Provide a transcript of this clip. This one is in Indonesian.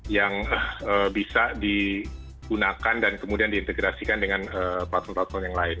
yang bisa digunakan dan kemudian diintegrasikan dengan platform platform yang lain